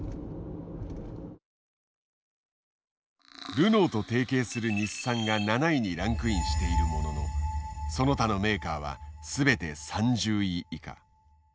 ルノーと提携する日産が７位にランクインしているもののその他のメーカーは全て３０位以下。